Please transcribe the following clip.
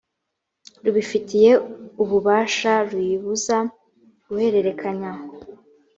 rubifitiye ububasha ruyibuza guhererekanya